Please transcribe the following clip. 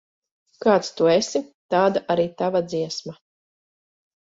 Kāds tu esi, tāda arī tava dziesma.